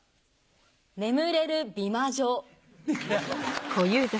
「眠れる美魔女」。